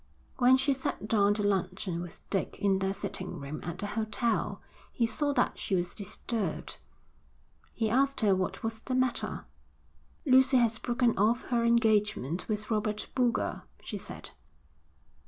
When she sat down to luncheon with Dick in their sitting room at the hotel, he saw that she was disturbed. He asked her what was the matter. 'Lucy has broken off her engagement with Robert Boulger,' she said.